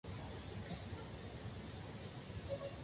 A menudo, la capacidad legislativa se delegaba en cargos inferiores.